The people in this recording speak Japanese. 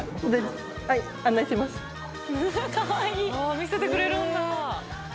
見せてくれるんだ。